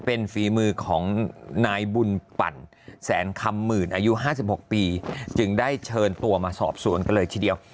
เป็นฝีมือของนายบุญปั่นแสนคำหมื่นอายุ๕๖ปีจึงได้เชิญตัวมาสอบสวนกันเลยทีเดียว